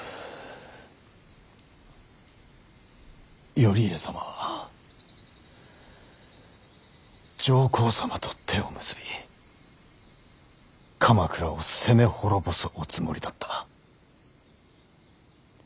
頼家様は上皇様と手を結び鎌倉を攻め滅ぼすおつもりだった。